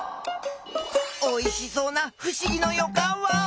おいしそうなふしぎのよかんワオ！